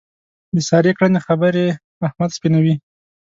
د سارې کړنې خبرې احمد سپینوي.